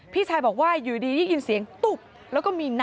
พี่ชายบอกว่าอยู่ดีนยินเสียงแท็กซี่